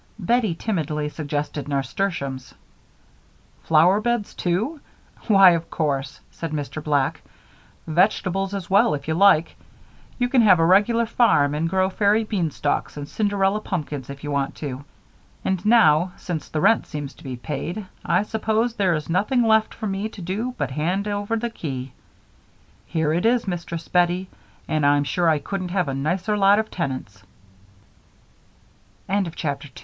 Bettie timidly suggested nasturtiums. "Flower beds too? Why, of course," said Mr. Black. "Vegetables as well if you like. You can have a regular farm and grow fairy beanstalks and Cinderella pumpkins if you want to. And now, since the rent seems to be paid, I suppose there is nothing left for me to do but to hand over the key. Here it is, Mistress Bettie, and I'm sure I couldn't have a nicer lot of tenants." CHAPTER 3 The Tenants Take Possession "Our own house think of it!"